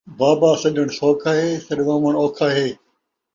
بابا سݙݨ سوکھا ہے، سݙاوݨ اوکھا ہے